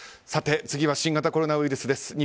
次は新型コロナウイルスです。